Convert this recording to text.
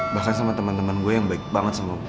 bahkan sama temen temen gue yang baik banget sama gue